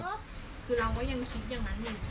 ก็คือเราก็ยังคิดอย่างนั้นอยู่